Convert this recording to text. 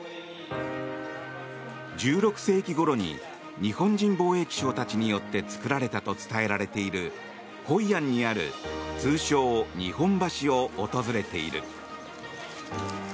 １６世紀ごろに日本人貿易商たちによって作られたと伝えられているホイアンにある通称・日本橋を訪れている。